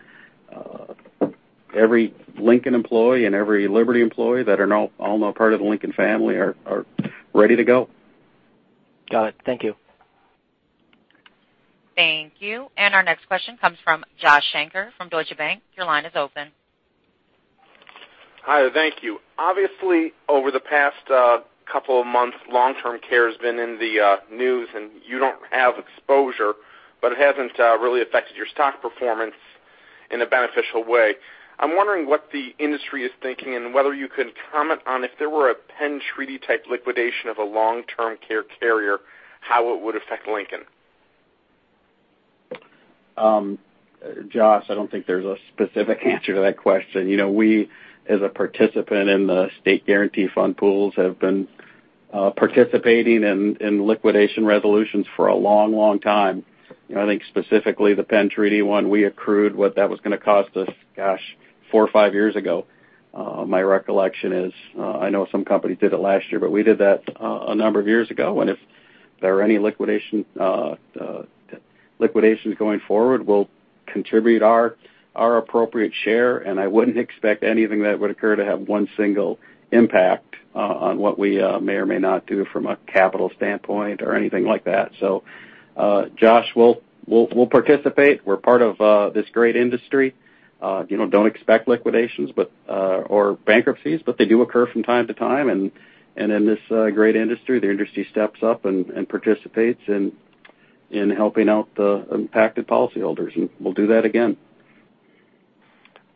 Every Lincoln employee and every Liberty employee that are all now part of the Lincoln family are ready to go. Got it. Thank you. Thank you. Our next question comes from Josh Shanker from Deutsche Bank. Your line is open. Hi, thank you. Obviously, over the past couple of months, long-term care has been in the news, and you don't have exposure, but it hasn't really affected your stock performance in a beneficial way. I'm wondering what the industry is thinking, and whether you can comment on if there were a Penn Treaty-type liquidation of a long-term care carrier, how it would affect Lincoln. Josh, I don't think there's a specific answer to that question. We, as a participant in the state guarantee fund pools, have been participating in liquidation resolutions for a long time. I think specifically the Penn Treaty one, we accrued what that was going to cost us, gosh, four or five years ago. My recollection is, I know some companies did it last year, but we did that a number of years ago. If there are any liquidations going forward, we'll contribute our appropriate share, and I wouldn't expect anything that would occur to have one single impact on what we may or may not do from a capital standpoint or anything like that. Josh, we'll participate. We're part of this great industry. Don't expect liquidations or bankruptcies, but they do occur from time to time. In this great industry, the industry steps up and participates in helping out the impacted policyholders, and we'll do that again.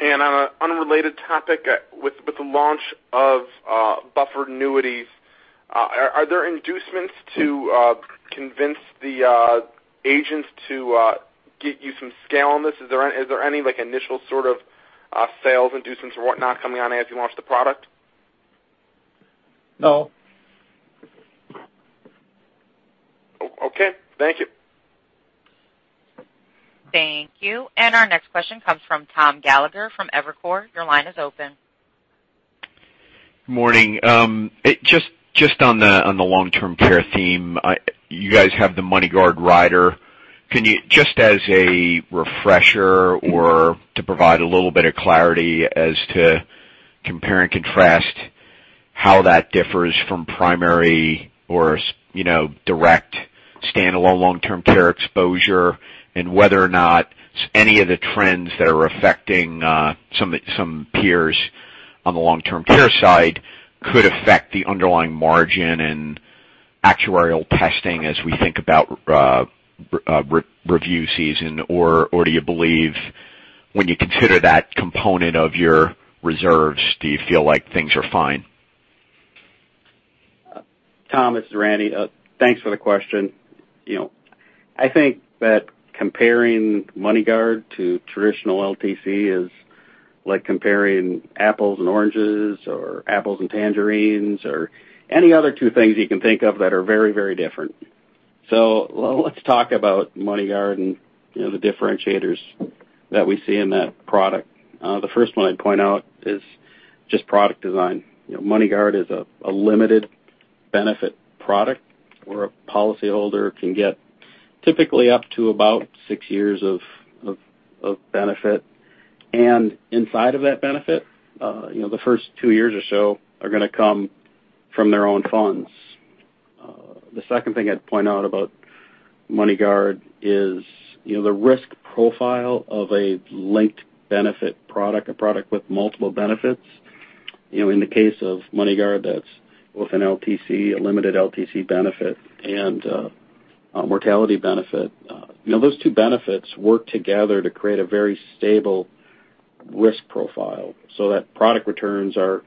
On an unrelated topic, with the launch of buffered annuities, are there inducements to convince the agents to get you some scale on this? Is there any initial sort of sales inducements or whatnot coming on as you launch the product? No. Okay. Thank you. Thank you. Our next question comes from Thomas Gallagher from Evercore. Your line is open. Morning. Just on the long-term care theme, you guys have the MoneyGuard rider. Just as a refresher or to provide a little bit of clarity as to compare and contrast how that differs from primary or direct standalone long-term care exposure, and whether or not any of the trends that are affecting some peers on the long-term care side could affect the underlying margin and actuarial testing as we think about review season. Do you believe when you consider that component of your reserves, do you feel like things are fine? Tom, it's Randy. Thanks for the question. I think that comparing MoneyGuard to traditional LTC is like comparing apples and oranges, or apples and tangerines, or any other two things you can think of that are very different. Let's talk about MoneyGuard and the differentiators that we see in that product. The first one I'd point out is just product design. MoneyGuard is a limited benefit product where a policyholder can get typically up to about six years of benefit. Inside of that benefit, the first two years or so are going to come from their own funds. The second thing I'd point out about MoneyGuard is the risk profile of a linked benefit product, a product with multiple benefits. In the case of MoneyGuard, that's with an LTC, a limited LTC benefit, and a mortality benefit. Those two benefits work together to create a very stable risk profile so that product returns are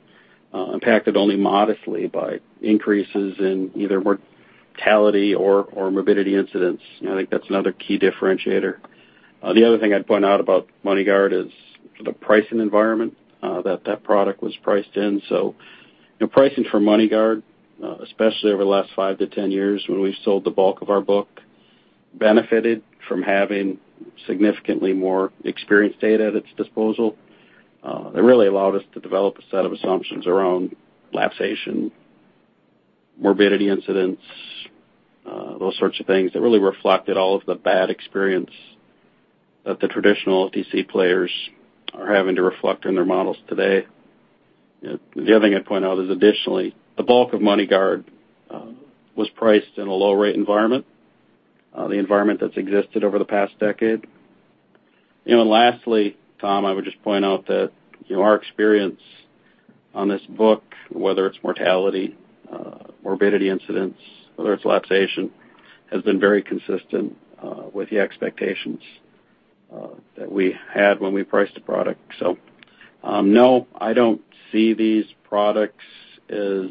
impacted only modestly by increases in either mortality or morbidity incidents. I think that's another key differentiator. The other thing I'd point out about MoneyGuard is the pricing environment that that product was priced in. Pricing for MoneyGuard, especially over the last 5 to 10 years when we've sold the bulk of our book, benefited from having significantly more experience data at its disposal. It really allowed us to develop a set of assumptions around lapsation, morbidity incidents, those sorts of things that really reflected all of the bad experience that the traditional LTC players are having to reflect in their models today. The other thing I'd point out is additionally, the bulk of MoneyGuard was priced in a low-rate environment, the environment that's existed over the past decade. Lastly, Tom, I would just point out that our experience on this book, whether it's mortality, morbidity incidents, whether it's lapsation, has been very consistent with the expectations that we had when we priced the product. No, I don't see these products as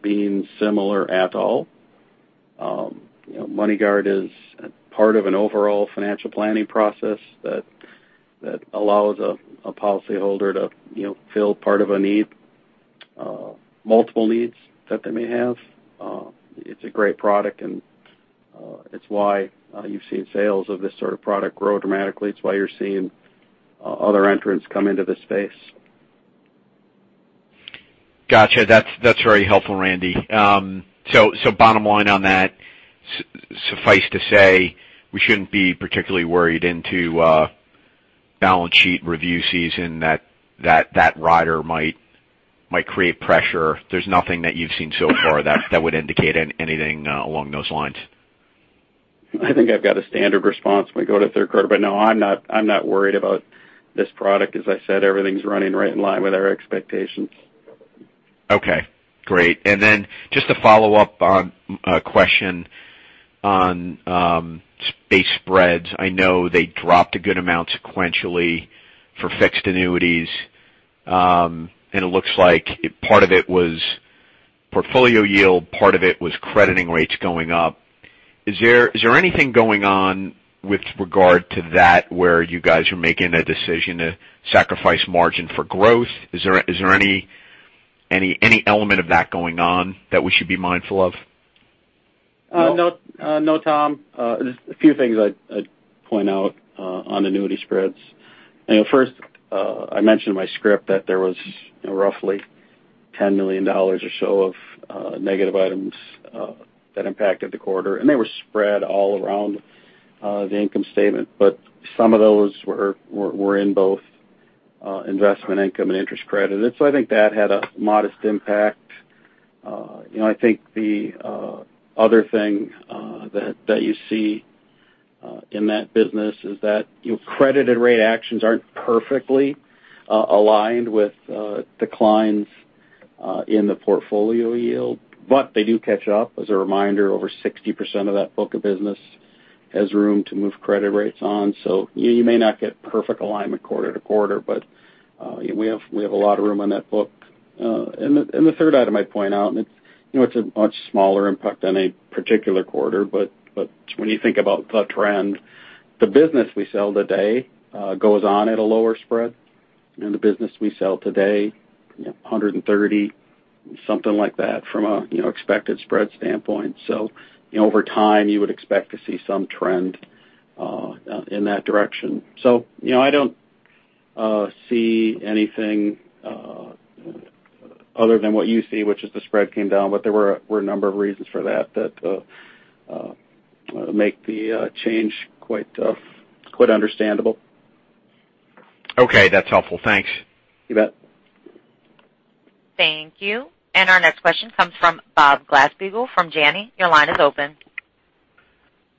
being similar at all. MoneyGuard is part of an overall financial planning process that allows a policyholder to fill part of a need, multiple needs that they may have. It's a great product and it's why you've seen sales of this sort of product grow dramatically. It's why you're seeing other entrants come into this space. Got you. That's very helpful, Randy. Bottom line on that, suffice to say, we shouldn't be particularly worried into balance sheet review season that that rider might create pressure. There's nothing that you've seen so far that would indicate anything along those lines. I think I've got a standard response when we go to third quarter. No, I'm not worried about this product. As I said, everything's running right in line with our expectations. Okay, great. Just to follow up on a question on base spreads. I know they dropped a good amount sequentially for fixed annuities. It looks like part of it was portfolio yield, part of it was crediting rates going up. Is there anything going on with regard to that, where you guys are making a decision to sacrifice margin for growth? Is there any element of that going on that we should be mindful of? No, Tom. Just a few things I'd point out on annuity spreads. First, I mentioned in my script that there was roughly $10 million or so of negative items that impacted the quarter, and they were spread all around the income statement. Some of those were in both investment income and interest credit. I think that had a modest impact. I think the other thing that you see in that business is that credited rate actions aren't perfectly aligned with declines in the portfolio yield, they do catch up. As a reminder, over 60% of that book of business has room to move credit rates on. You may not get perfect alignment quarter to quarter, we have a lot of room on that book. The third item I'd point out, it's a much smaller impact on a particular quarter, when you think about the trend, the business we sell today goes on at a lower spread than the business we sell today, 130, something like that, from an expected spread standpoint. Over time, you would expect to see some trend in that direction. I don't see anything other than what you see, which is the spread came down, there were a number of reasons for that make the change quite understandable. Okay. That's helpful. Thanks. You bet. Thank you. Our next question comes from Bob Glasspiegel from Janney. Your line is open.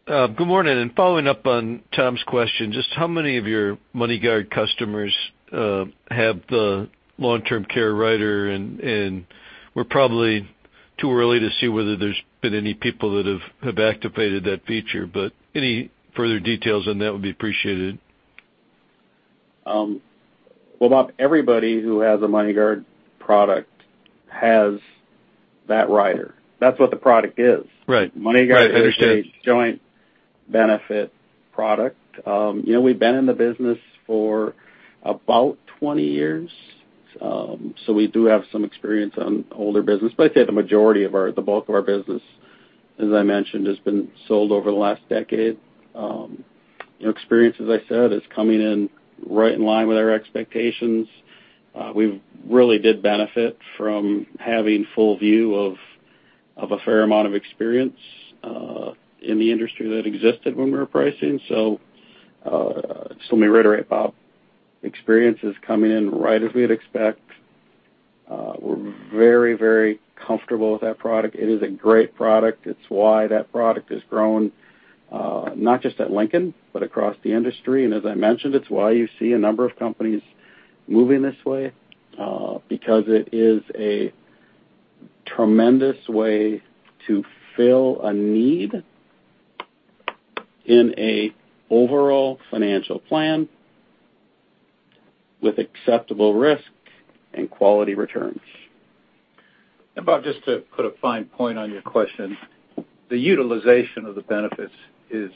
Good morning. Following up on Tom's question, just how many of your MoneyGuard customers have the long-term care rider? We're probably too early to see whether there's been any people that have activated that feature, but any further details on that would be appreciated. Well, Bob, everybody who has a MoneyGuard product has that rider. That's what the product is. Right. I understand. MoneyGuard is a joint benefit product. We've been in the business for about 20 years, so we do have some experience on older business, but I'd say the bulk of our business, as I mentioned, has been sold over the last decade. Experience, as I said, is coming in right in line with our expectations. We really did benefit from having full view of a fair amount of experience in the industry that existed when we were pricing. Let me reiterate, Bob. Experience is coming in right as we'd expect. We're very comfortable with that product. It is a great product. It's why that product has grown, not just at Lincoln, but across the industry. As I mentioned, it's why you see a number of companies moving this way, because it is a tremendous way to fill a need in an overall financial plan with acceptable risk and quality returns. Bob, just to put a fine point on your question, the utilization of the benefits is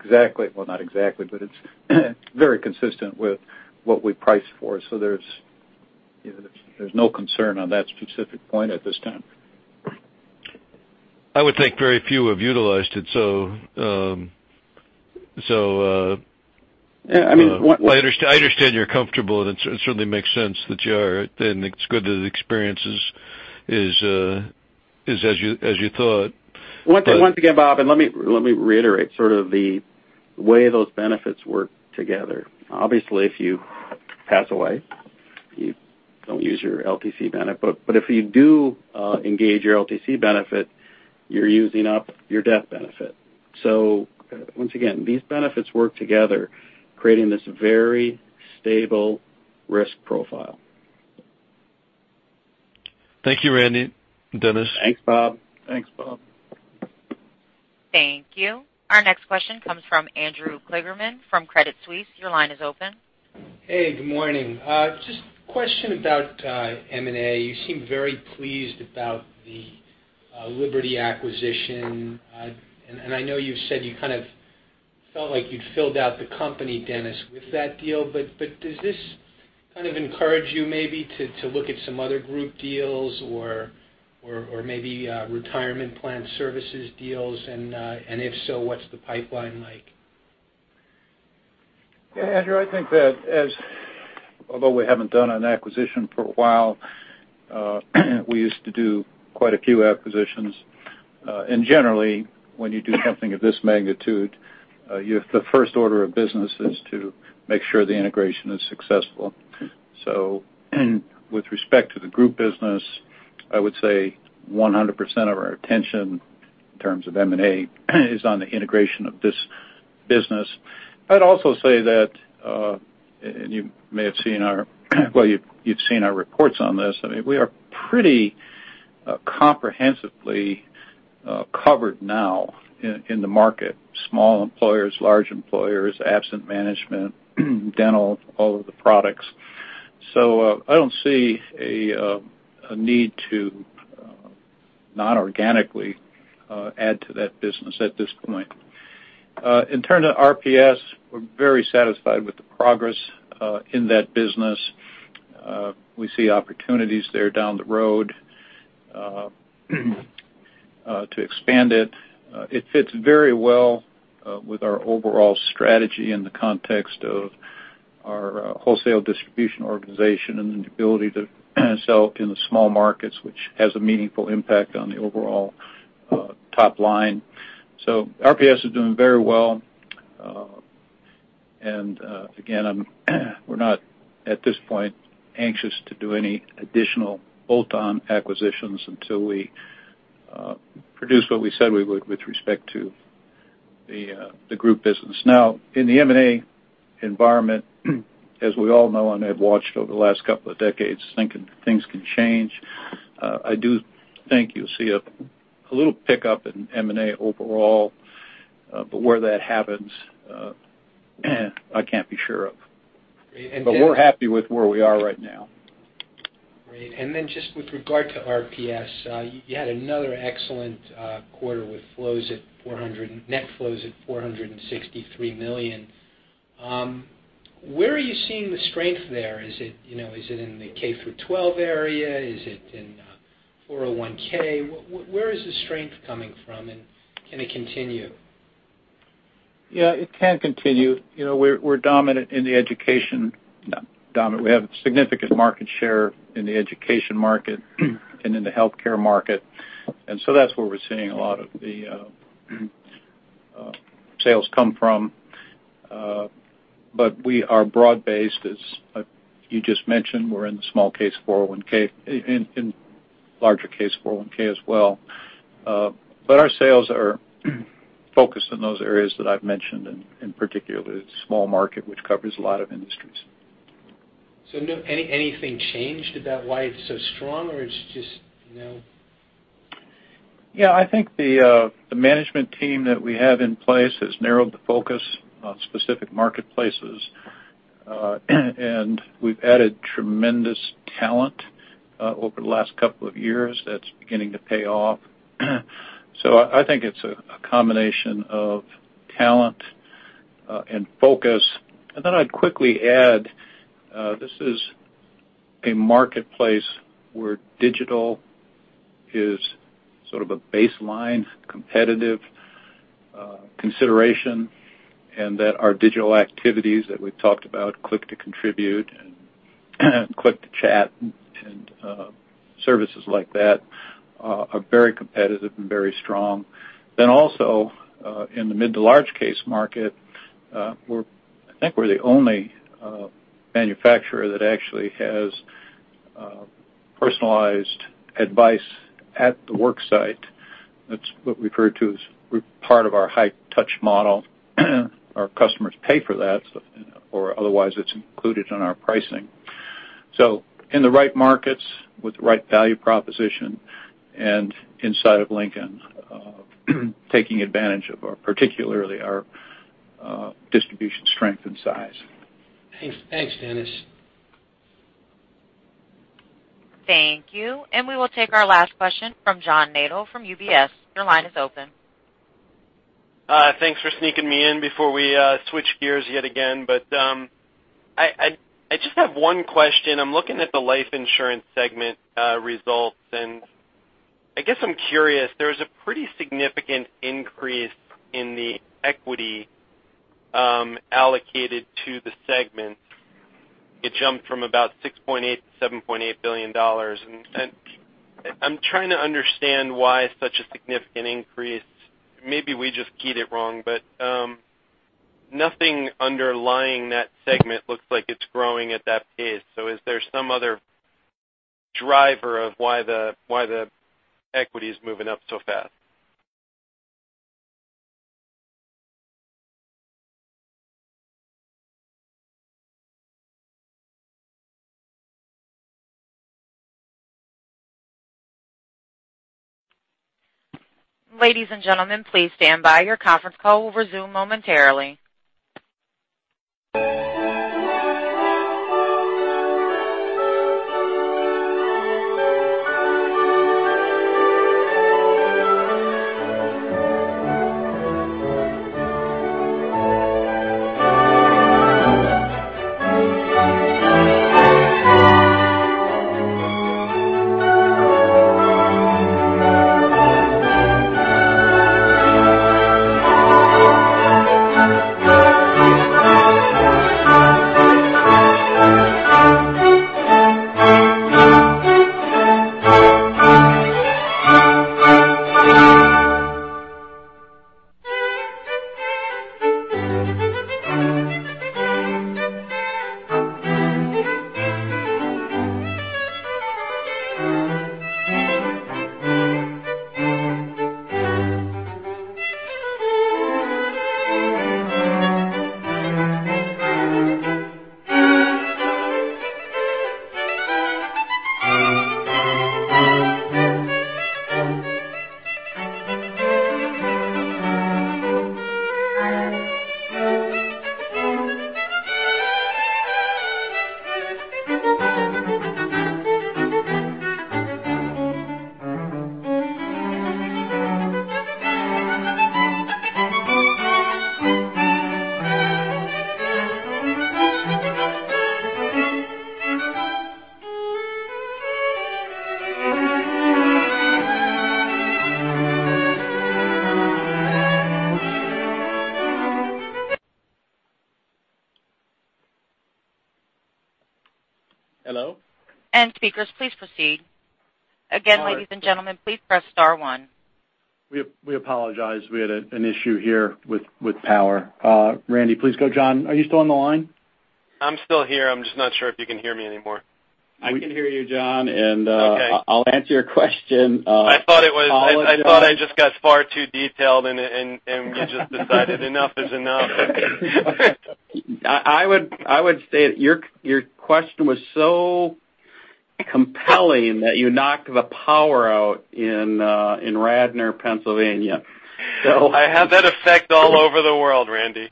exactly, well, not exactly, but it's very consistent with what we price for. There's no concern on that specific point at this time. I would think very few have utilized it. Yeah, I mean I understand you're comfortable, it certainly makes sense that you are. It's good that the experience is as you thought. Once again, Bob, let me reiterate sort of the way those benefits work together. Obviously, if you pass away, you don't use your LTC benefit. If you do engage your LTC benefit, you're using up your death benefit. Once again, these benefits work together, creating this very stable risk profile Thank you, Randy and Dennis. Thanks, Bob. Thank you. Our next question comes from Andrew Kligerman from Credit Suisse. Your line is open. Hey, good morning. Just a question about M&A. You seem very pleased about the Liberty acquisition. I know you've said you kind of felt like you'd filled out the company, Dennis, with that deal, but does this kind of encourage you maybe to look at some other group deals or maybe retirement plan services deals? If so, what's the pipeline like? Andrew, I think that although we haven't done an acquisition for a while, we used to do quite a few acquisitions. Generally, when you do something of this magnitude, the first order of business is to make sure the integration is successful. With respect to the group business, I would say 100% of our attention in terms of M&A is on the integration of this business. I'd also say that, you may have seen our reports on this, we are pretty comprehensively covered now in the market. Small employers, large employers, absence management, dental, all of the products. I don't see a need to not organically add to that business at this point. In turn to RPS, we're very satisfied with the progress in that business. We see opportunities there down the road to expand it. It fits very well with our overall strategy in the context of our wholesale distribution organization and the ability to sell in the small markets, which has a meaningful impact on the overall top line. RPS is doing very well. Again, we're not, at this point, anxious to do any additional bolt-on acquisitions until we produce what we said we would with respect to the group business. In the M&A environment, as we all know and have watched over the last couple of decades, things can change. I do think you'll see a little pickup in M&A overall. Where that happens, I can't be sure of. We're happy with where we are right now. Great. Just with regard to RPS, you had another excellent quarter with net flows at $463 million. Where are you seeing the strength there? Is it in the K through 12 area? Is it in 401(k)? Where is the strength coming from, can it continue? It can continue. We have a significant market share in the education market and in the healthcare market, that's where we're seeing a lot of the sales come from. We are broad-based, as you just mentioned. We're in the small case 401(k), in larger case 401(k) as well. Our sales are focused on those areas that I've mentioned, in particular, the small market, which covers a lot of industries. Anything changed about why it's so strong, or it's just Yeah, I think the management team that we have in place has narrowed the focus on specific marketplaces. We've added tremendous talent over the last couple of years that's beginning to pay off. I think it's a combination of talent and focus. Then I'd quickly add, this is a marketplace where digital is sort of a baseline competitive consideration, and that our digital activities that we've talked about, Click-to-Contribute and Click-to-Chat and services like that, are very competitive and very strong. Also, in the mid to large case market, I think we're the one manufacturer that actually has personalized advice at the work site. That's what we refer to as part of our high touch model. Our customers pay for that, or otherwise it's included in our pricing. In the right markets with the right value proposition and inside of Lincoln, taking advantage of particularly our distribution strength and size. Thanks, Dennis. Thank you. We will take our last question from John Nadel from UBS. Your line is open. Thanks for sneaking me in before we switch gears yet again. I just have one question. I'm looking at the life insurance segment results, and I guess I'm curious. There's a pretty significant increase in the equity allocated to the segment. It jumped from about $6.8 billion-$7.8 billion. I'm trying to understand why such a significant increase. Maybe we just keyed it wrong, but nothing underlying that segment looks like it's growing at that pace. Is there some other driver of why the equity is moving up so fast? Ladies and gentlemen, please stand by. Your conference call will resume momentarily. Hello? Speakers, please proceed. Again, ladies and gentlemen, please press star one. We apologize. We had an issue here with power. Randy, please go. John, are you still on the line? I'm still here. I'm just not sure if you can hear me anymore. We can hear you, John. Okay. I'll answer your question. I thought I just got far too detailed and you just decided enough is enough. I would say that your question was so compelling that you knocked the power out in Radnor, Pennsylvania. I have that effect all over the world, Randy.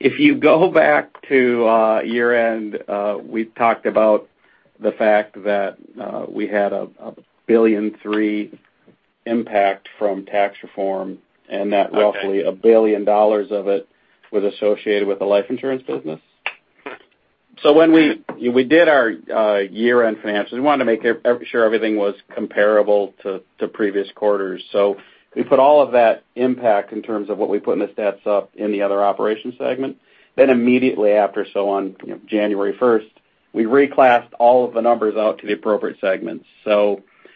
If you go back to year-end, we talked about the fact that we had a $1.3 billion impact from tax reform and that roughly $1 billion of it was associated with the life insurance business. When we did our year-end financials, we wanted to make sure everything was comparable to previous quarters. We put all of that impact in terms of what we put in the stats up in the other operations segment. Immediately after, on January 1st, we reclassed all of the numbers out to the appropriate segments.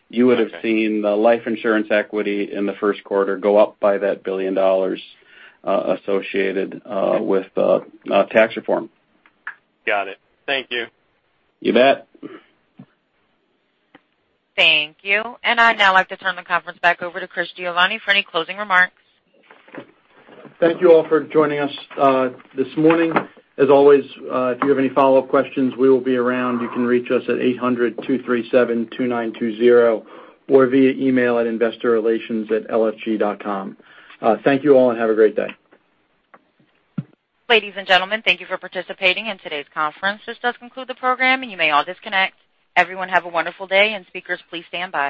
You would have seen the life insurance equity in the first quarter go up by that $1 billion associated with tax reform. Got it. Thank you. You bet. Thank you. I'd now like to turn the conference back over to Chris Giovanni for any closing remarks. Thank you all for joining us this morning. As always, if you have any follow-up questions, we will be around. You can reach us at 800-237-2920 or via email at investorrelations@lfg.com. Thank you all and have a great day. Ladies and gentlemen, thank you for participating in today's conference. This does conclude the program, and you may all disconnect. Everyone have a wonderful day, and speakers, please stand by.